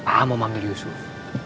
ah mau mampir yusuf